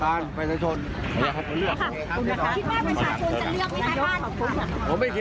ท่านนโยคเตรียมตัวยังไงบ้างคะ